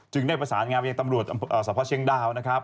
จึงได้ประสานงานวิทยาลัยตำรวจสภาพเชียงดาวน์นะครับ